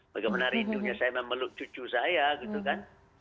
bagaimana rindunya saya memang meluk cucu saya gitu kan